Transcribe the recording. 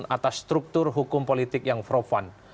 atas struktur hukum politik yang profan